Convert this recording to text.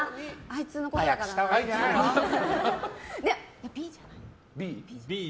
いや、Ｂじゃない？